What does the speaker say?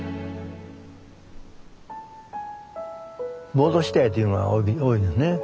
戻したいっていうのが多いですね。